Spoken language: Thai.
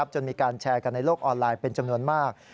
จนมีการแชร์กันในโลกออนไลน์เป็นจำนวนมาก